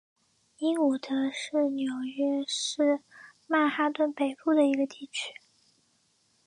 英伍德是纽约市曼哈顿北部的一个地区。